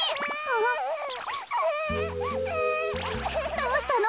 どうしたの？